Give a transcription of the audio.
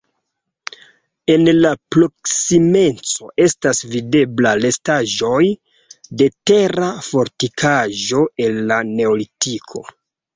En la proksimeco estas videbla restaĵoj de tera fortikaĵo el la neolitiko.